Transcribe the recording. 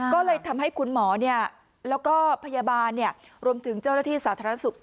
ก็เลยทำให้คุณหมอแล้วก็พยาบาลรวมถึงเจ้าหน้าที่สาธารณสุข